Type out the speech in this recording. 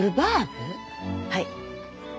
はい。